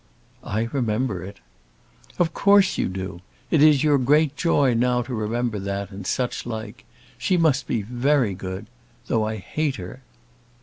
"I remember it." "Of course you do. It is your great joy now to remember that, and such like. She must be very good! Though I hate her!"